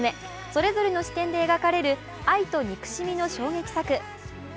それぞれの視点で描かれる愛と憎しみの衝撃作。